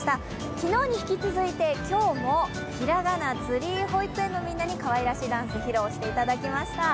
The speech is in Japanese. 昨日に引き続いて、今日も保育園のみんなにかわいらしいダンス披露していただきました。